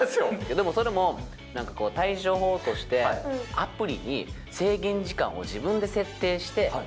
でも、それでも、対処法としてアプリに制限時間を自分で設定して。